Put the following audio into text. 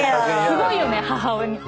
すごいよね母親に。